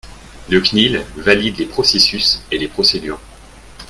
La CNIL valide les processus et les procédures.